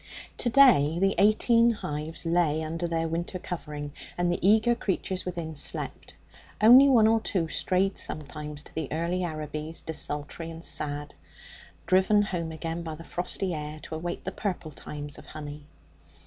Today the eighteen hives lay under their winter covering, and the eager creatures within slept. Only one or two strayed sometimes to the early arabis, desultory and sad, driven home again by the frosty air to await the purple times of honey.